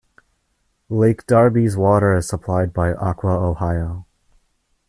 Lake Darby's water is supplied by Aqua Ohio.